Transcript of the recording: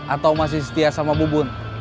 atau masih setia sama bubun